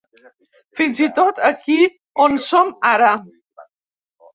Fins i tot aquí on som ara.